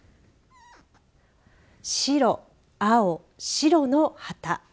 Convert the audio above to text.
白、青、白の旗。